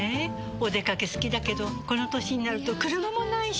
お出かけ好きだけどこの歳になると車もないし。